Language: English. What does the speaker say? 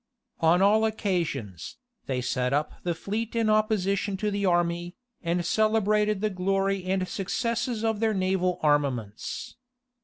On all occasions, they set up the fleet in opposition to the army, and celebrated the glory and successes of their naval armaments.